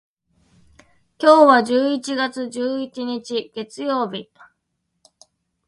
今日は十一月十一日、月曜日。